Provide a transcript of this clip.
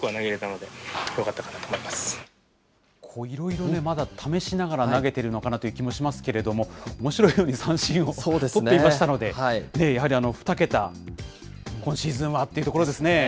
いろいろね、まだ試しながら投げてるのかなという気もしますけれども、おもしろいように三振をとっていましたので、やはり２桁、今シーズンはっていうところですね。